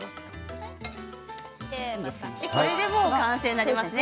これで完成になりますね。